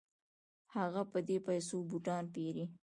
هغه په دې پیسو بوټان پيري.